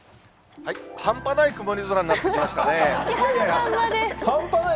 半端ない曇り空になってきま木原さんまで。